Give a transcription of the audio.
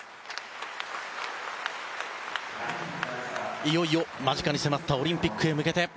いよいよ間近に迫ったオリンピックへ向けて。